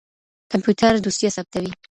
کمپيوټر دوسيه ثبتوي.